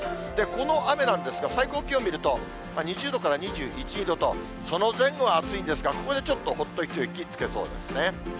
この雨なんですが、最高気温見ると、２０度から２１、２度と、その前後は暑いんですが、ここでちょっと、ほっと一息つけそうですね。